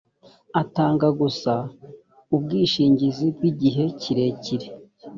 atanga gusa ubwishingizi bw’igihe kirerekire